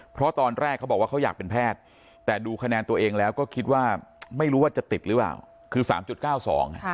เพราะตอนแรกเขาบอกว่าเขาอยากเป็นแพทย์แต่ดูคะแนนตัวเองแล้วก็คิดว่าไม่รู้ว่าจะติดหรือเปล่าคือสามจุดเก้าสองอ่ะ